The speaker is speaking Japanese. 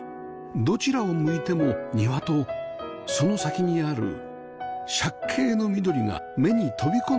どちらを向いても庭とその先にある借景の緑が目に飛び込んできます